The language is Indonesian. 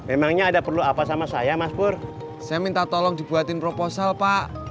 emangnya ada perlu apa sama saya mas pur saya minta tolong dibuatin proposal pak